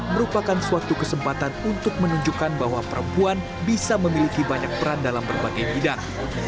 merupakan suatu kesempatan untuk menunjukkan bahwa perempuan bisa memiliki banyak peran dalam berbagai bidang